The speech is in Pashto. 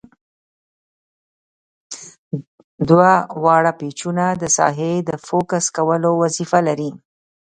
دوه واړه پیچونه د ساحې د فوکس کولو وظیفه لري.